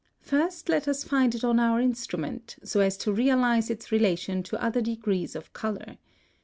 First let us find it on our instrument, so as to realize its relation to other degrees of color.